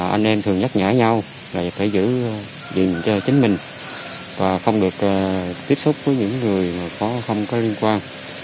anh em thường nhắc nhở nhau là phải giữ gìn cho chính mình và không được tiếp xúc với những người không có liên quan